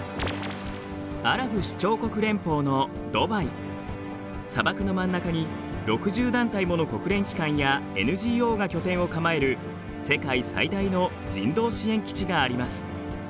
アラブ首長国連邦の砂漠の真ん中に６０団体もの国連機関やＮＧＯが拠点を構える世界最大の人道支援基地があります。